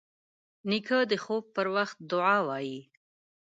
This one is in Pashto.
نیکه د خوب پر وخت دعا وايي.